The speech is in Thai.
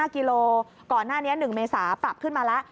กิโลก่อนหน้านี้๑เมษาปรับขึ้นมาแล้ว